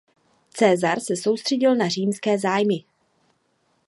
Caesar se soustředil na římské zájmy.